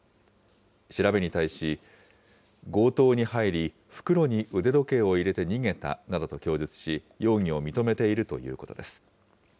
調べに対し、強盗に入り、袋に腕時計を入れて逃げたなどと供述し、容疑を認めているということです。